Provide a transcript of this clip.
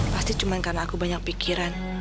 pasti cuma karena aku banyak pikiran